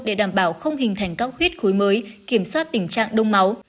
để đảm bảo không hình thành các huyết khối mới kiểm soát tình trạng đông máu